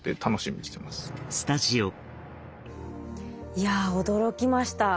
いや驚きました。